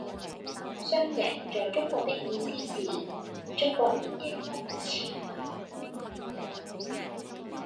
雙贏在中國的意思是中國連贏兩次